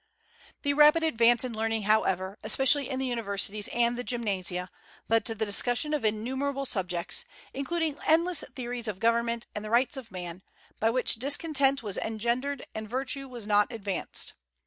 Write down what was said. The rapid advance in learning, however, especially in the universities and the gymnasia, led to the discussion of innumerable subjects, including endless theories of government and the rights of man, by which discontent was engendered and virtue was not advanced.